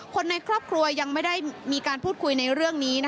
คนในครอบครัวยังไม่ได้มีการพูดคุยในเรื่องนี้